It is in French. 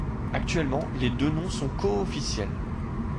Actuellement les deux noms sont coofficiels.